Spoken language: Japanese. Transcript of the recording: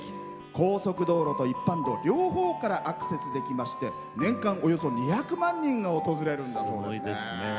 高速道路と一般道、両方からアクセスできまして年間およそ２００万人が訪れるんだそうですね。